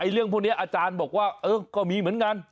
เรื่องพวกนี้อาจารย์บอกว่าก็มีเหมือนกัน